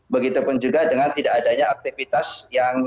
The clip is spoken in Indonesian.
begitupun juga dengan tidak adanya aktivitas yang